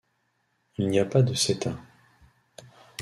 Il n'y a pas de seta.